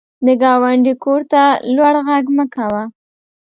د ګاونډي کور ته لوړ غږ مه کوه